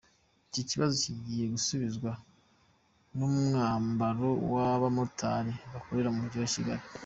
Iki kibazo kigiye gusubizwa n’umwambaro w’abamotari bakorera mu mujyi wa Kigali.